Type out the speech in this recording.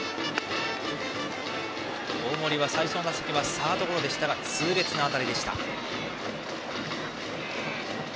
大森は最初の打席はサードゴロでしたが痛烈な当たりでした。